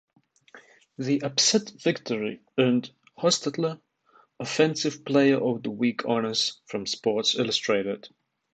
The upset victory earned Hostetler Offensive Player of the Week honors from "Sports Illustrated".